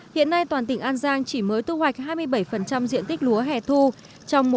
hiện nay toàn tỉnh an giang chỉ mới tu hoạch hai mươi bảy diện tích lúa hẻ thu